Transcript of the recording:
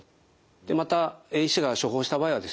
また医師が処方した場合はですね